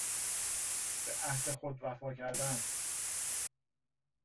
به عهد خود وفا کردن